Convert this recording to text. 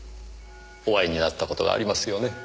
お会いになったことがありますよね？